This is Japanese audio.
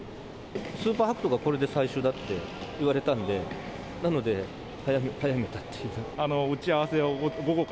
スーパーはくとがこれで最終だって言われたんで、なので、早めたというか。